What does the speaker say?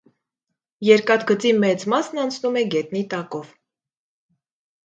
Երկաթգծի մեծ մասն անցնում է գետնի տակով։